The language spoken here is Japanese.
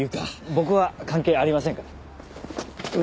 僕は関係ありませんから。